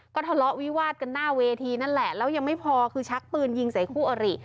ก็ทะเลาะวิวาดกันหน้าเวทีนั่นแหละแล้วยังไม่พอคือชักปืนยิงใส่คู่อริ